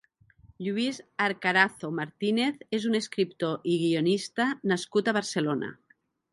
Lluís Arcarazo Martínez és un escriptor i guionista nascut a Barcelona.